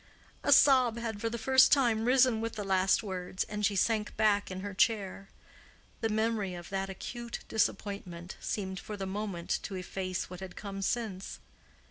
A sob had for the first time risen with the last words, and she sank back in her chair. The memory of that acute disappointment seemed for the moment to efface what had come since.